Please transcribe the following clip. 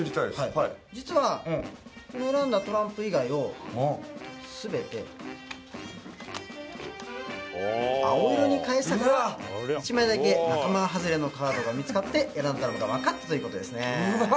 はい実はこの選んだトランプ以外をすべて青色に変えてたから１枚だけ仲間はずれのカードが見つかって選んだのが分かったということですねうわ